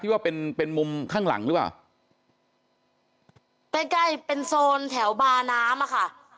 ว่าเป็นเป็นมุมข้างหลังหรือเปล่าใกล้ใกล้เป็นโซนแถวบาน้ำอ่ะค่ะ